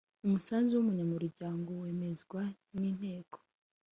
Umusanzu w umunyamuryango wemezwa ni inteko